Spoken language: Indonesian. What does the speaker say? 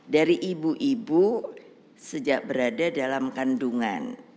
dari ibu ibu sejak berada dalam kandungan